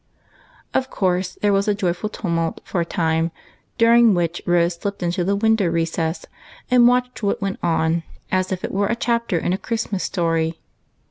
Of course, there was a joyful tumult for a time, dur ing which Rose slipped into the window recess and watched what went on, as if it were a chapter in a Christmas story.